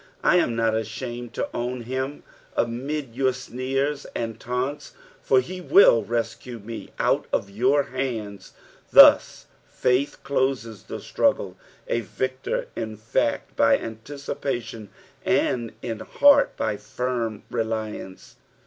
I am not ashamed to own him amid your sneers and taunts, for lie will rescue ma out of your hands. Thus faith closes tlie struggle, a victor in fact by anticipation, and in heart by Srm reliance.